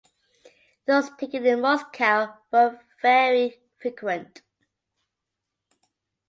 Those taken in Moscow were very frequent.